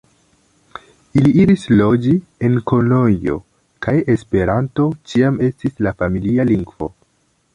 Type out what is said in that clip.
Ili iris loĝi en Kolonjo kaj Esperanto ĉiam estis la familia lingvo.